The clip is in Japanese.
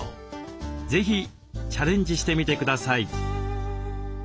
是非チャレンジしてみてください。